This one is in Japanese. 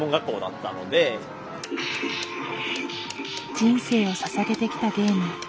人生をささげてきたゲーム。